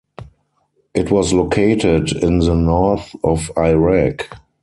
It was located in the north of Iraq.